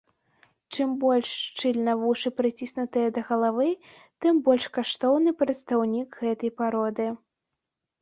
Чым больш шчыльна вушы прыціснутыя да галавы, тым больш каштоўны прадстаўнік гэтай пароды.